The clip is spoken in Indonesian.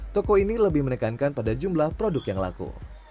toko ini lebih menekankan pada jumlah produk yang laku